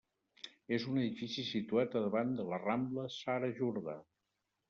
És un edifici situat a davant de la Rambla Sara Jordà.